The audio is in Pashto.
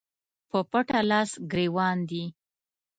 په پټه لاس ګرېوان دي